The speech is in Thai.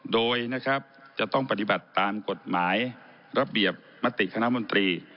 โดยจะต้องปฏิบัติตามกฎหมายระเบียบมติคณะบุญตรี